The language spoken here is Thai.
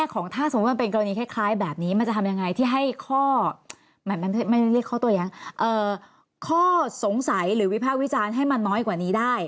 ข้อสงสัยหรือวิภาควิจารณ์ให้มันน้อยกว่านี้ได้